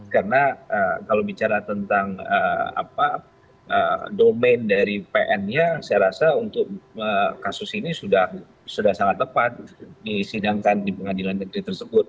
karena kalau bicara tentang domain dari pn nya saya rasa untuk kasus ini sudah sangat tepat disidangkan di pengadilan negeri tersebut